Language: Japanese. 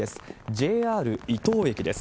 ＪＲ伊東駅です。